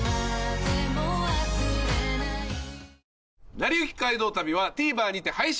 『なりゆき街道旅』はＴＶｅｒにて配信中です。